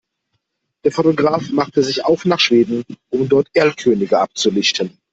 Der Fotograf machte sich auf nach Schweden, um dort Erlkönige abzulichten.